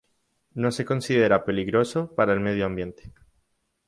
No se considera peligroso para el medio ambiente.